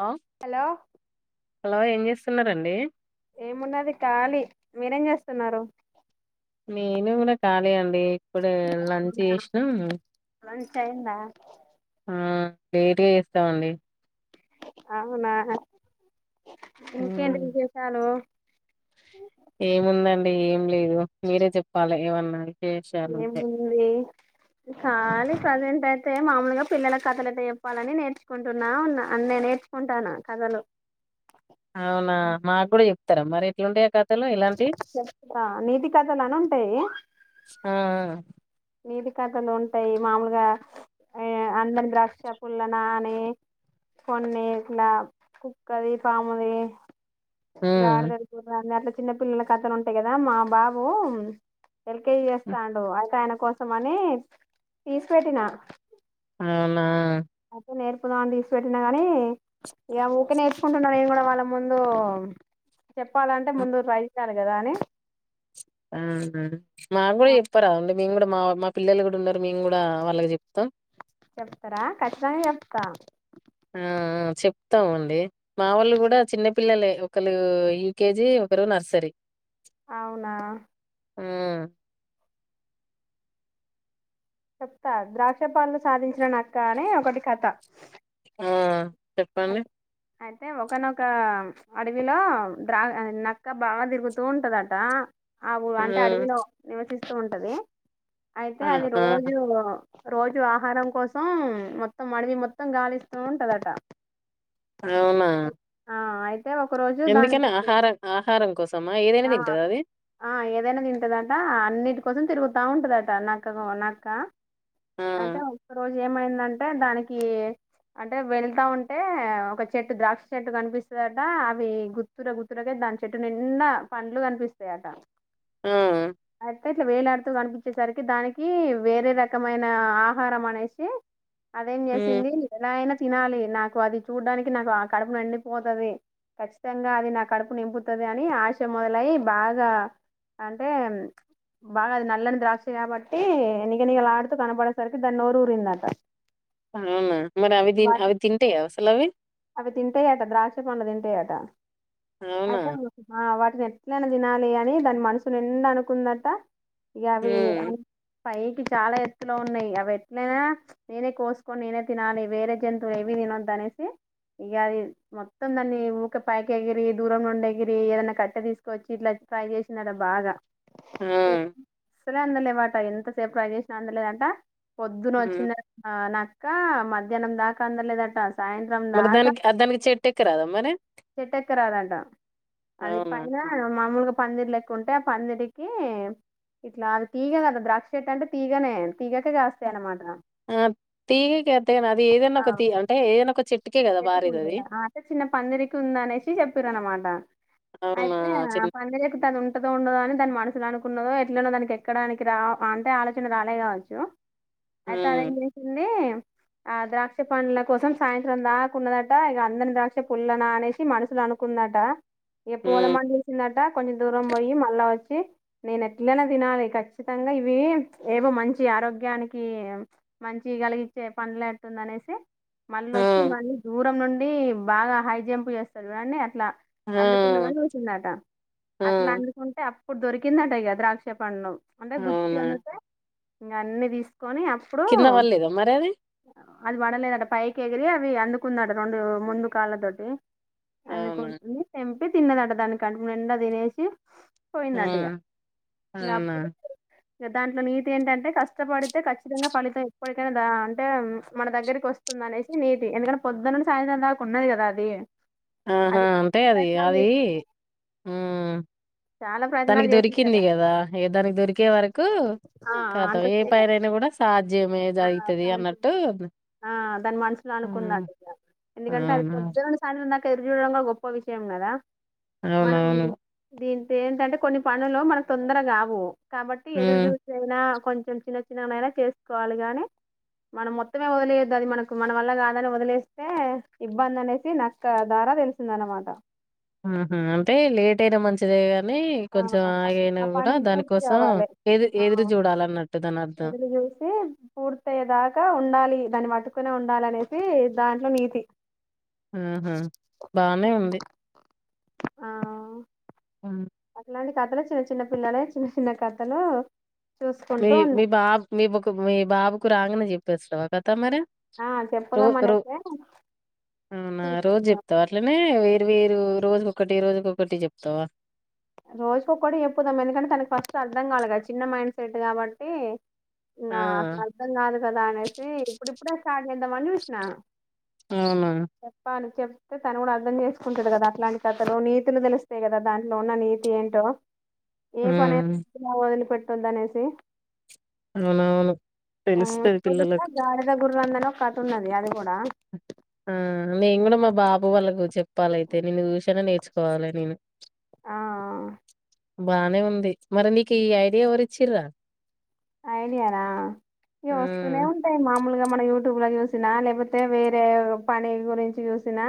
Hello hello ఏం చేస్తున్నరండి ఏమున్నది కాలి మీరేం చేస్తున్నారు నేను కూడా కాలి అండి ఇప్పుడే లంచ్ అవునా చేసినా లంచ్ అయిందా ఆ లేట్ గా చేస్తామండి అవునా ఇంకేంటి ఉమ్, విశేషాలు ఏముందండి ఏం లేదు మీరే చెప్పాలి ఏమన్నా విశేషాలు ఏ ఉంటే ముంది కాలీ ప్రజెంట్ అయితే మామూలుగా పిల్లలకు కథలు అయితే చెప్పాలని నేర్చుకుంటు ఉన్న నేర్చుకుంటాను కథలు అవునా మాకు కూడా చెప్తారా మరి వీలుంటే కథలు తెల్వవా ఇలాంటివి చెప్తా నీతి కథలు అని ఉంటాయి ఆ నీతి కథలు ఉంటాయి మామూలుగా అందని ద్రాక్ష పండ్లు అని కొన్ని ఇట్లా కుక్కది పాముది గాడిదలు గుర్రాలు చిన్న పిల్లల కథలు ఉంటాయి కదా మా బాబు ఎల్కేజీ చేస్తాండు అయితే ఆయన కోసం అని తీసి పెెట్టినా అవునా అయితే నేర్పుదామని తీసి పెట్టినా గాని ఇగ ఊకే నేర్చుకుంటున్నా నేను కూడా వాళ్ళ ముందు చెప్పాలంటే ముందు రాయించాలి కదా అని నాకు కూడా చెప్తారా అండి నేను కూడా మా మా పిల్లలు కూడా ఉన్నారు నేను కూడా వాళ్ళకి చెప్తా చెప్తారా ఖచ్చితంగా చెప్తా ఆ చెప్తామండి మా వాళ్ళు కూడా చిన్న పిల్లలే ఒకలు యూకేజీ ఒకరు నర్సరి అవునా మ్మ్ చెప్తా ద్రాక్ష పండ్లు సాధించిన నక్క అని ఒకటి కథ ఆ చెప్పండి అయితే ఒకనొక అడవిలో నక్క బాగా తిరుగుతూ ఉంటదట ఆ అంటే అడవిలో నివసిస్తూ ఉంటది అయితే ఆ అది ఆ, రోజు రోజు ఆహారం కోసం మొత్తం అడివి మొత్తం గాలిస్తూ ఉంటదట అవునా ఆ అయితే ఒక రోజు ఎందుకని దానికి ఆహారం కోసము ఆ ఆ ఏదైనా తింటదంట అన్నిటి కోసం తిరుగుతుందట రా ఉంటదట నక్క నక్క ఆ అయితే ఒక రోజు ఏమైందంటే దానికి అంటే వెళ్తా ఉంటే ఒక చెట్టు ద్రాక్ష చెట్టు కనిపిస్తుందట అవి గుత్తుర గుతురకే దాని చెట్టు నిన్న పండ్లు కనిపిస్తాయిట ఆ అతే ఇట్లా వేలాడుతూ కనిపి వచ్చేసరికి దానికి వేరే రకమైన ఆహారం అనేసి అదేం హ్మ్ చేసింది ఎలా అయినా తినాలి నాకు అది చూడ్డానికి నాకు ఆ కడుపు నండిపోతుంది ఖచ్చితంగా అది నా కడుపు నింపుతుంది అని ఆశ మొదలఐ బాగా అంటే బాగా అది నల్లని ద్రాక్ష కాబట్టి నిగనిగాలా డుతూ కనపడేసరికి దాన్ని నోరు ఊరిందట మ్ మరి అవి వాటి అవి తింటాయి అసలు అవి అవి తింటాయట ద్రాక్ష పండ్లు తింటాయట అవునా అయితే వాటిని ఎట్లైనా తినాలి అని దాని మనసుు నిండా అనుకుందట ఇగ అవి హ్మ్ పైకి చాలా ఎత్తులో ఉన్నాయి అవి ఎట్లైనా నేనే కోసుకొని నేనే తినాలి వేరే జంతువు ఏవి తినొద్దు అనేసి ఇగ అది మొత్తం దాన్ని ఊక పైకి ఎగిరి దూరం నుండి ఎగిరి ఏదన్నా కట్ కట్టే తీసుకొచ్చి ఇట్లా ట్రై చేసిందంట బాగా మ్ అసలే అందలేవాట ఎంతసేపు ట్రై చేసినా అందలేదట పొద్దున హ్మ్ వచ్చిన నా కా మధ్యానం దాకా అందలే దట్టా మరి దానికి దానికి చెట్టు ఎక్క రాదా మరి ఎక్కరాధాంట అవునా మామూలుగా పందిరి లెక్క ఉంటే ఆ పందిరికి ఇట్లా అది తీగనేద ద్రాక్ష చెట్టు అంటే తీగనే తీగకే కాస్తాయి అన్నమాట ఆ తీగకైతే అది ఏదైనా ఒక తీగ అంటే ఏదైనా ఒక చెట్ చెట్టుకుంటయా అయితే చిన్న పందిరికి ఉంది అనేసి చెప్పారు అనమాట అవునా అయితే ఆ చిన్న పందిరి ఎక్కుతున్న ఉంటదో ఉండదో అని తాని మనస్ అసలా అనుకున్నదో ఎట్లనో దానికి ఎక్కడానికి రా అంటే ఆలోచన రాలే కావచ్చు అయితే హ్మ్ అదేం చేసింది ఆ ద్రాక్ష పనుల కోసం సాయంత్రం దాకా అనుకున్నదట ఇగ అందని ద్రాక్ష పుల్లన అనేసి మనుషులు అనుకుందట ఇక హ్మ్ పోదామని చూసిందంట కొంచెం దూరం పోయి మళ్ళా వచ్చి నేనెట్లయినా తినాలి ఖచ్చితంగా ఇవి ఏవో మంచి ఆరోగ్యానికి మంచి కలిగించే పండ్లు ఎట్టుంది అనేసి మళ్ళ ఆ వచ్చి మళ్ళీ దూరం నుండి బాగా హై జంప్ చేస్తాది కానీ అట్లా ఆ అందుకుందామని చూసిందట ఆ అట్లా అందుకుంటే అప్పుడు దొరికింది అంట ఇగ అంటే గుత్తి అవునా అందుతే ఇంకా అన్ని తీస్త కోని అప్పుడు కింద పడలేదా మరి అది అది పడలేదంట పైకి ఎగిరి అవి అందుకు కుందట రెండు ముందు కాళ్ళ తోటి అవునా అందుకని తే పి తిన్నదంట దాని కడుపునిండా తినేసి ఆ పోయిందంట ఇగ అవునా అప్పుడు దాంట్లో నీతి ఏంటంటే కష్టపడితే ఖచ్చితంగా ఫలితం ఎప్పటికైనా ద అంటే మన దగ్గరికి వస్తుంది అనేసి నీతి ఎందుకంటే పొద్దున్నండి సాయంత్రం దాకా ఉన్నది కదా అది ఆహా అది అంటే చాలా అవి ప్రయత్నాలు అవి చాల దానికి దొరికింది కదా ఏ దానికి దొరికే వరకు ఆ కతం అంత ఏ సేఫ్ పనైనా కూడా సాధ్యమే ఆ జరుగుతది అన్నట్టు ఆ దాని మనుసుులో అనుకుందంట మ్ ఇగ ఎందుకంటే అది అవునా పొద్దున్నుంచి సాయంత్రం దాకా తిరిగిందంటే గొప్ప విషయం కదా మనం అవునవును దీ ఏంటంటే కొన్ని పనులు మనకు తొందరగావు కాబట్టి ఎదురు మ్ చూసి అయినా కొంచెం చిన్న చిన్నగానైనా చేసుకోవాలి గాని మనం మొత్తమే వదిలేయద్దది మనకు మన వల్ల కాదని వదిలేస్తే ఇబ్బంది అనేసి నక్క ద తెలిసిందన్నమాట మ్ హు అంటే లేటయినా మంచిదేగా నీ ఆ కొంచెం ఆగయినా ఆ కూడా పని పూర్తి దానికోసం కావాలి ఎదు ఎదురు చూడాలన్నట్టు దానర్థం. పూర్తి పూర్తయ్యే దాకా ఉండాలి దాన్ని పట్టుకునే ఉండాలి అనేసి దాంట్లో నీతి. మ్ హు బానే ఉంది. ఆ మ్ అట్లాంటి కథలు చిన్న చిన్న పిల్లలే చిన్న చిన్న కథలు మీ చూసుకుంటూ ఉన్నా మీ బాబు మీకు మీ బాబుకు రాంగానే చెప్పేస్తావా కథ మరి ఆ రో చెప్పుదాం రో అనేసే అవునా రోజ్ చూస్తున్నాం చెప్తావట్లనే అవి మీరు రోజుకొకటి రోజుకొకటి చెప్తావా రోజుకోక్కటి చెప్పుదాం ఎందుకంటే తనకి ఫస్ట్ అర్థం కావలి కదా చిన్న మైండ్ సెట్ కాబట్టి ఆ! ఇంగసలు అర్ధం కాదు కదా అనేసి ఇప్పుడుప్పుడే స్టార్ట్ చేద్దామని చూష్నా అవునా చెప్పాలి. చెప్ప్ తే తను కూడా అర్థం చేసుకుంటది కదా అట్లాంటి కతలు నీతులు తెలుస్తాయి కదా దాం తోన నీతి ఏంటో ఏ ఉమ్ పనయితే వదిలిపెట్టుద్ది అనేసి అవునవును ఆ తెలుస్తది కొడుక పిల్లలకు గాడిద కొడుక్ తది వందలు కతున్నది అది కూడా ఆ నేను కూడా మా బాబు వాళ్ళకు చెప్పాలైతే నిన్న చూసన్న నేర్చుకోవాలే నేను ఆ ఆ బానే ఉంది. మరి నీకీ ఐడియా ఎవరిచ్చిర్రా ఐడియాన ఈ వస్తుూనే ఉమ్ ఉంటాయి మామ్ ములుగా మన యూట్యూబ్లో చూసినా లేకపోతే వేరే పని గురించి చూసిన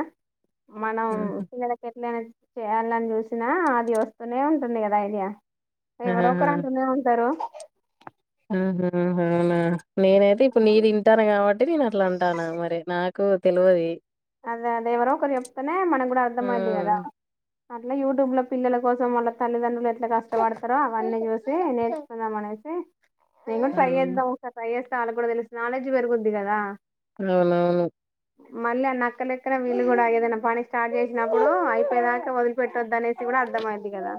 మనం పిల్లలకెట్లైనా చేయాలని చూసినా అది వస్తూనే ఉంటుంది కదా ఐడియా ఆహా ఎవరొకరు అంటునే ఉంటారు. మ్ హు మ్ హు అవునా నేనైతే ఇప్పుడు నీదింటాను కాబట్ ట్టి. నేను అట్లాంటాన మరి నాకు తెలవది. అదే అదేవరొకరు చెప్తేనే మనం కూడా అర్ధమయిద్ది ఉమ్ కదా అట్లా యూట్యూబ్లో పిల్లల కోసం వాళ్ళ తల్లిదండ్రులు ఎట్ల కష్టపడతారో అవన్నీ చూసి నేర్చుకుందామనేసి నేను కూడా ట్రై అవును చేద్దాం ఒకసారి ట్రై చేస్తే వాళ్ళకి కూడా తెలుస్త నాలెడ్జ్ పెరుగుద్ది కదా అవునవును. మళ్ళీ అనక్ క్కలెక్కన వీళ్ళు కూడా ఏదన్నా పని స్టార్ట్ చేసినప్పుడు అయిపోయేదాకా వదిలిపెట్టొద్దనేసి కూడా అర్థమయ్యిద్ది కదా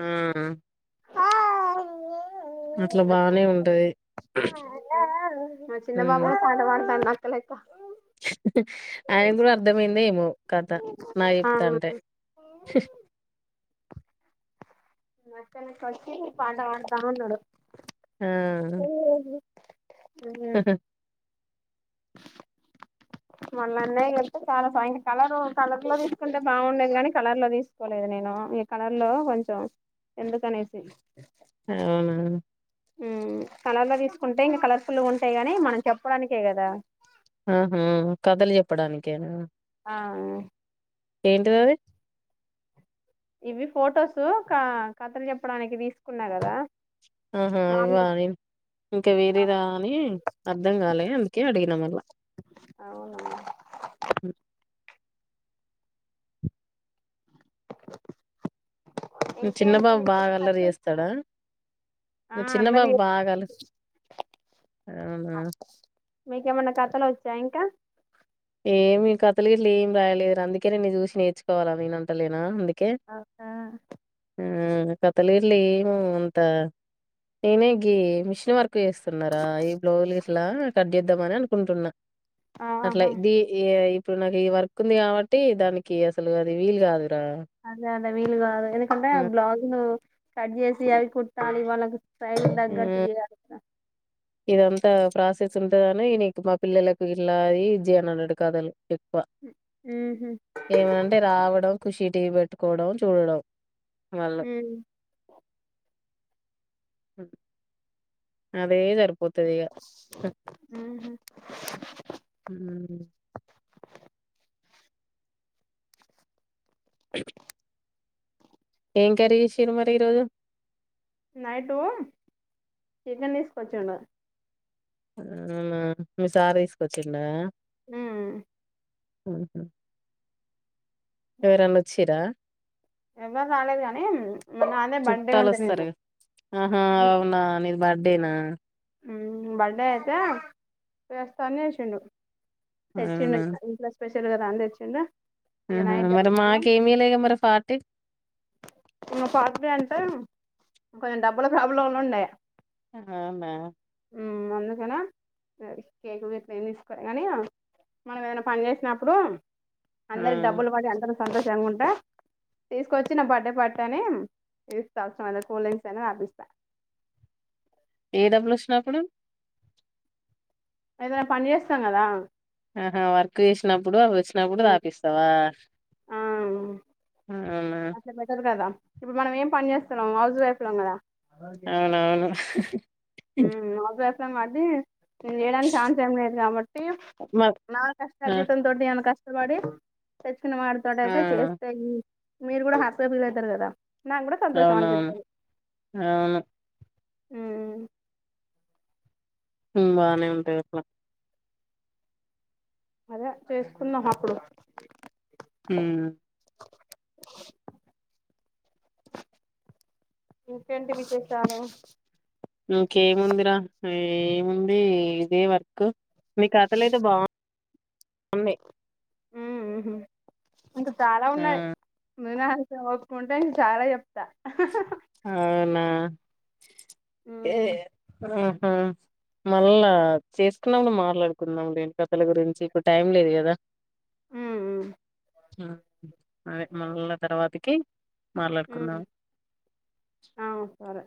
ఉమ్ అట్లా బానే ఉంటది మా చిన్న బాబు కూడా పాట పాడ్తాండూ అక్క లెక్కా [inaudible] ఆయన్కూడా అర్థమైందే ఏమో కథ నాకు ఆ చెప్తాంటే వాళ్ళక్కని కొట్టి పాట పాడతాన్నాడు. ఆ ఆ ఉ [inaudible] మళ్ళీ అన్నయ్య కళ్తే చాలా సాయం కలరు కలర్ లో తీసుకుంటే బాగుండేది కానీ కలర్లో తీసుకోలేదు నేను. ఈ కలర్లో కొంచెం ఎందుకనేసి అవునా మ్మ్ కలర్లో తీసుకుంటే ఇంక కలర్ఫుల్గా ఉంటాయి అని మనం చెప్పడానికే కదా ఆహా కథలు చెప్పడానికేనా అవును. ఏంటివవి. ఇవి ఫొటోసు కా కథలు చెప్పడానికి తీసుకున్నా కదా ఆహా అది మామూలు గానీ ఇంకా వేరేదా అని అర్ధం గాలే అందుకే అడిగినా మళ్ళా అవునా [inaudible] మీ చిన్న ఇంకేంటి బాబు బాగా మీకేమైనా అల్లరి కథలు వచ్చా చేస్తడా మీ చిన్న అల్లరి బాబు బాగా అల్లరి అవునా? ఆ మీకేమన్నా కథలు వచ్చా ఇంకా ఏమి కథలు గిట్ల ఏం రాయలేదురా అందుకే నిన్ను చూసి నేర్చుకోవాలా నేను అంటలేనా అందు కే ఉమ్ కథలు గిట్ల ఏం అంత నేనేగీ మిషన్ వర్ క్ చేస్తున్నారా ఈ బ్లౌజ్లు ఇట్లా కట్ చేద్దామని అనుకుంటున్నా ఇట్ల ఆహా దీ ఇప్పుడు నాకు ఈ వర్క్ ఉంది గాబట్టి దానికి అసలు అది వీలు గాదు అదే అదే వీలు గాదు ఎందుకంటే ఆ బ్లాజ్లు కట్ చేసి అవి కుట్టాలి వాళ్ళకు ప్రైస్కు ఆ, దగ్గట్టు జేయాలి గదా ఇదంతా ప్రాసెస్ ఉంటాదని నీకు మా పిల్లలకు ఇలాది ఇజ్ జేయనన్నడు కథలు ఎక్కువ ఉహు ఏమనంటే రావడం కుషి టీవీ పెట్టుకోవడం చూడడం వాళ్ళు ఉమ్ [unintelligible] అదే జరుప్ ఉమ్ హూ ఉమ్ [inaudible] ఏం కర్రీ చేసిర్రు ఈరోజు నైటు చికెన్ దీసుకొచిండు అవునా మీ సార్ తీసుకోచిండా ఉమ్ ఉమ్ హూ ఎవరన్నా వచ్చిరా ఎవ్వరు రాలేదు గానీ నాదే బర్డే చుట్టాలు ఉండే నిన్న వస్తారు ఆహా అవునా నీది బర్డేనా ఉమ్ బర్డే అయితే చేస్తా అని చేసిండు తెచ్చిండు అవునా ఇంట్లో స్పెషల్ గదా అని దెచ్చిండు ఉమ్ హూ మరి మాకేమి ఇయ్యలేగా మరి పార్టీ ఇంగ పార్టీ అంటే కొంచెం డబ్బుల ప్రాబ్లంల ఉండే ఆమా ఉమ్ అందుకనే కేక్ వట్ ఏం తీసుకోలే గాని మనం ఏదైనా పని చేసినప్పుడు ఆ అందరికి డబ్బులు పడి అందర సంతోషంగా ఉంటా తీసుకొచ్చి చిన్న బర్డే పార్టీ అని ఇస్తా అవసరమైన కూల్ డ్రింక్స్ అనియ తాపిస్తా ఏ డబ్బులు వచ్చినప్పుడు ఏదైనా పని జేస్తాం గదా ఆహా వర్క్ చేసినప్పుడు అవి వచ్చినప్పుడు తాపిస్తావా ఆ అవునా అట్లా బెటర్ గదా ఇప్పుడు మనం ఏం పని చేస్తున్నాం హౌస్ వైఫ్ లం గదా అవునవును ఉమ్ హౌస్ వైఫ్ లం కాబట్టి నేను చేయడానికి ఛాన్స్ ఏం లేదు కాబట్టి మ నా ఆ కష్టార్జితం తోటి ఏమన్నా క కష్టపడి తెచ్చుకున్న ఆ మాడితోటైతే చేస్తేయి మీరు గూడా హ్యాపీగా ఫీల్ అయితరు గదా నాకు కూడా సంతోషం అవునవును అనిపిస్తుంది అవును ఉమ్ ఉమ్ బానే ఉంటాయి అట్లా అదే చేసుకున్నాం అప్పుడు హమ్ ఇంకేంటి విశేషలు ఇంకేముందిరా ఏముంది ఇదే వర్క్ మీకుథ లేదు బాగు అమ్న్న ఉ ఇంకా చాలా ఆ ఉన్నాయి వినడానికి ఓపిక ఉంటే చాలా చెప్ అవునా ఆహా మళ్ళా చేసుకున్నప్పుడు మాట్లాడుకుందాం లేేని కథల గురించి ఇప్పుడు టైం లేదు కదా అదే మళ్ళా తర్వాతకి మాట్లాడుకుందాం ఆ సరే